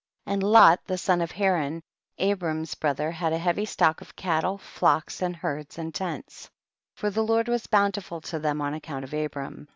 35. And Lot the son of Haran, Abram's brother, had a heavy stock of cattle, flocks and herds and tents, for the Lord was bountiful to them on account of Abram.